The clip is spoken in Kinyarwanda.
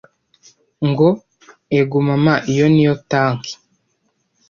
Ngo: "Ego mama iyo ni yo tanki!